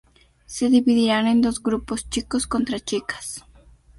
Se dividirán en dos grupos: chicos contra chicas.